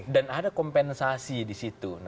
dan ada kompensasi di situ